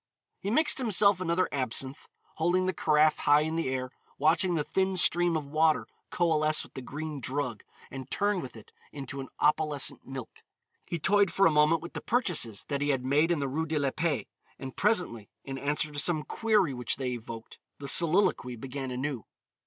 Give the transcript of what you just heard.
He mixed himself another absinthe, holding the carafe high in the air, watching the thin stream of water coalesce with the green drug and turn with it into an opalescent milk. He toyed for a moment with the purchases that he had made in the Rue de la Paix, and presently, in answer to some query which they evoked, the soliloquy began anew.